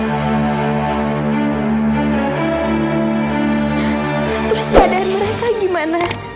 terus keadaan mereka gimana